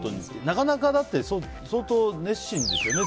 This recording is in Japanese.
なかなか、相当熱心ですよね。